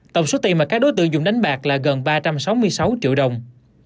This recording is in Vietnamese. tổng số tiền mà các đối tượng dùng đánh bạc là gần ba trăm sáu mươi sáu triệu đồng